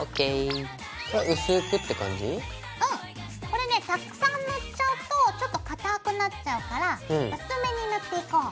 これねたくさん塗っちゃうとちょっとかたくなっちゃうから薄めに塗っていこう。